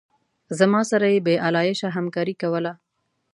زما سره یې بې آلایشه همکاري کوله.